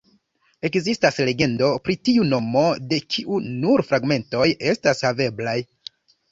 Ekzistas legendo pri tiu nomo, de kiu nur fragmentoj estas haveblaj.